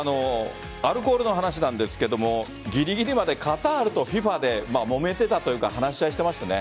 アルコールの話なんですがぎりぎりまでカタールとＦＩＦＡでもめてたというか話し合いをしていましたね。